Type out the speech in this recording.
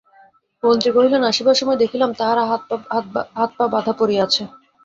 মন্ত্রী কহিলেন, আসিবার সময় দেখিলাম তাহারা হাতপা-বাঁধা পড়িয়া আছে।